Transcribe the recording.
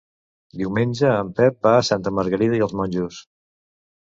Diumenge en Pep va a Santa Margarida i els Monjos.